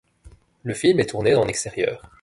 Le film est tourné en extérieur.